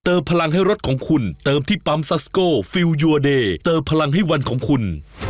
พลังให้รถของคุณเติมที่ปั๊มซัสโกฟิลยูอเดย์เติมพลังให้วันของคุณ